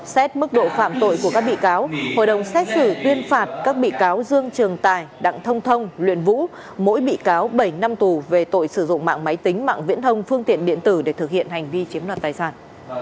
xét mức độ phạm tội của các bị cáo hội đồng xét xử tuyên phạt các bị cáo dương trường tài đặng thông thông luyện vũ mỗi bị cáo bảy năm tù về tội sử dụng mạng máy tính mạng viễn thông phương tiện điện tử để thực hiện hành vi chiếm đoạt tài sản